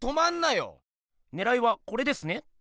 ねらいはこれですね？